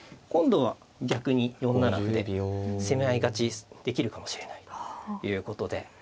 今度は逆に４七歩で攻め合い勝ちできるかもしれないということで。